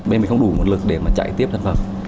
bên mình không đủ nguồn lực để mà chạy tiếp sản phẩm